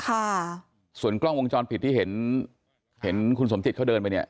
ค่ะส่วนกล้องวงจรปิดที่เห็นเห็นคุณสมจิตเขาเดินไปเนี่ย